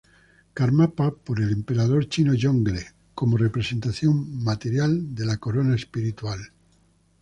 Karmapa por el emperador chino Yongle como representación material de la corona espiritual.